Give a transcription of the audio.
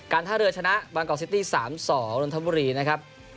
การท่าเรือชนะบางกอกซิติ๓๒นวลธบุรีนะครับ